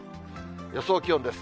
予想気温です。